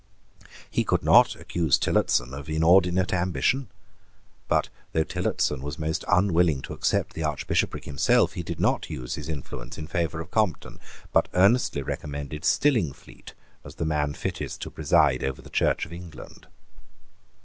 He could not accuse Tillotson of inordinate ambition. But, though Tillotson was most unwilling to accept the Archbishopric himself, he did not use his influence in favour of Compton, but earnestly recommended Stillingfleet as the man fittest to preside over the Church of England.